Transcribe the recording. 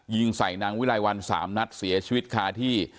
ยิงใส่นางวิลัยวัน๓นัดเสียชีวิตคาที่